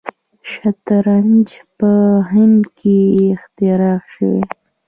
شطرنج په هند کې اختراع شوی.